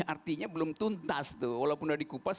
artinya belum tuntas tuh walaupun sudah dikupas